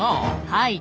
はい。